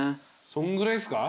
そんぐらいっすか？